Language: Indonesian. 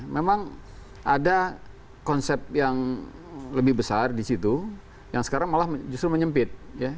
memang ada konsep yang lebih besar di situ yang sekarang malah justru menyempit